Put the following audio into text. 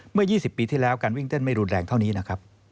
เมื่อ๒๐ปีที่แล้วการวิ่งเต้นไม่รุนแรงเท่านี้นะครับ